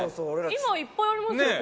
今いっぱいありますよ。